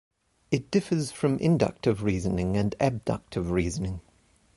It differs from inductive reasoning and abductive reasoning.